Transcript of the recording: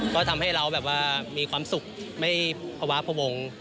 ก็ทำให้เราแบบว่ามีความสุขไม่ภาวะพระวงศ์